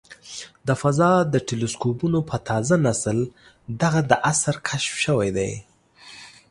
د فضا د ټیلسکوپونو په تازه نسل دغه د عصر کشف شوی دی.